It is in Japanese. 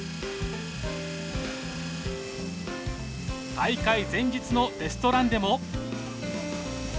大会前日のテストランでも。